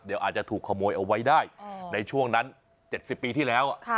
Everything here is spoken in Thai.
เดี๋ยวอาจจะถูกขโมยเอาไว้ได้ในช่วงนั้น๗๐ปีที่แล้ว